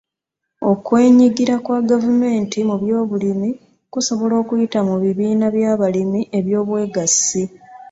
Okwenyigira kwa gavumenti mu by'obulimi kusobola okuyita mu bibiina by'abalimi eby'obwegassi.